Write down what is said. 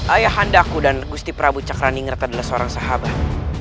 ayah handaku dan gusti prabu cakraningrat adalah seorang sahabat